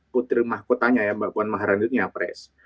kutrimah kotanya ya mbak puan maharani itu nyapres